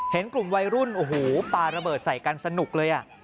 เห็นกลุ่มวัยรุ่นโอ้โหปลาระเบิดใส่กันสนุกเลย